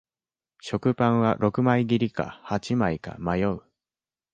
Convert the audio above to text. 食パンは六枚切りか八枚か迷う